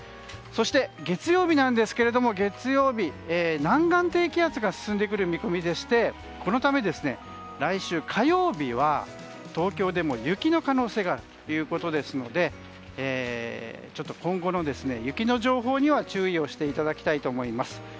そして、月曜日なんですが南岸低気圧が進んでくる見込みでしてこのため、来週火曜日は東京でも雪の可能性があるということですのでちょっと今後の雪の情報には注意していただきたいと思います。